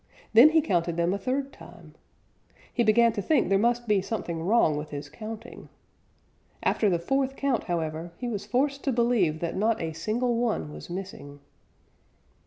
Then he counted them a third time. He began to think there must be something wrong with his counting. After the fourth count, however, he was forced to believe that not a single one was missing.